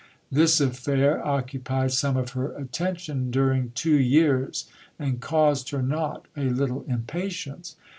This affair occupied some of her attention during two years, and caused her not a little impatience.